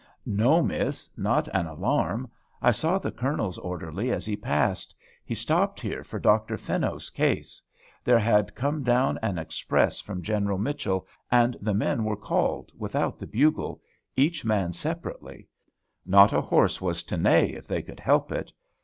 "No, Miss; not an alarm. I saw the Colonel's orderly as he passed. He stopped here for Dr. Fenno's case. There had come down an express from General Mitchell, and the men were called without the bugle, each man separately; not a horse was to neigh, if they could help it.